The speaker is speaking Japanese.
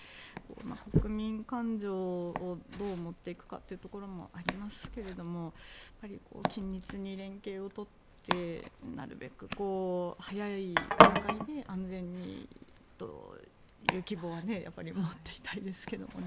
国民感情をどう持っていくかっていうところもありますが緊密に連携を取ってなるべく早い段階で安全にという希望はやっぱり持っていたいですけどね。